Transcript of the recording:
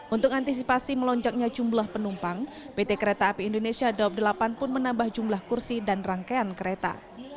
untuk antisipasi melonjaknya jumlah penumpang pt kereta api indonesia daob delapan pun menambah jumlah kursi dan rangkaian kereta